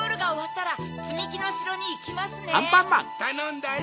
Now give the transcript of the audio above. たのんだよ。